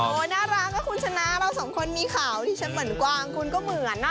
น่ารักนะคุณชนะเราสองคนมีข่าวที่ฉันเหมือนกวางคุณก็เหมือนนะ